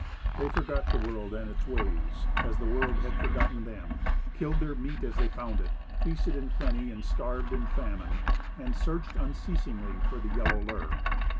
They forgot the world and its ways, as the world had forgotten them; killed their meat as they found it; feasted in plenty and starved in famine, and searched unceasingly for the yellow lure.